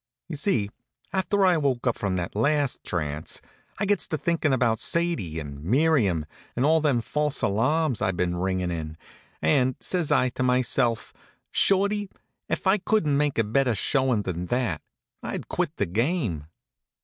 You see, after I woke up from that last trance, I gets to thinkin' about Sadie, and Miriam, and all them false alarms I've been ringin' in; and, says I to myself: "Shorty, if I couldn't make a better showin' than that, I'd quit the game."